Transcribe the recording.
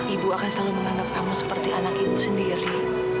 ibu akan selalu menganggap kamu seperti anak ibu sendiri